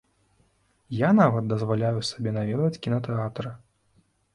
Я нават дазваляю сабе наведваць кінатэатр.